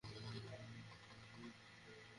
অসৎ উদ্দেশে না এসে থাকলে তার আচার-আচরণ অন্য রকম হত।